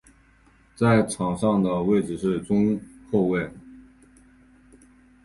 在场上的位置是中后卫。